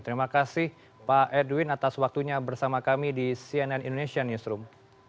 terima kasih pak edwin atas waktunya bersama kami di cnn indonesia newsroom